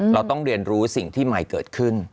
เราต้องเรียนรู้สิ่งที่ใหม่เกิดขึ้น